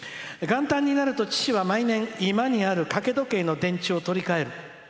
「元旦になると父は毎年、居間にある掛け時計の電池を取り替える」。